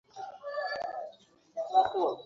তোমার শরীর কাদায় ভরা।